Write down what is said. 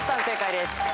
正解です。